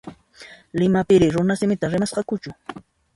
Limapiri runasimita rimasqakuchu?